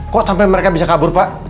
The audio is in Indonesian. kok sampai mereka bisa kabur pak